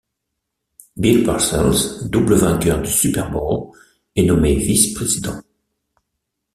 Bill Parcells, double vainqueur du Super Bowl, est nommé vice-président.